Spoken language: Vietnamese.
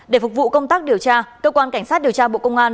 để phục vụ công tác điều tra cơ quan cảnh sát điều tra bộ công an